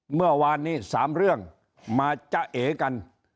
เมื่อวานนี้๓เรื่องมาจ๊ะเอกัน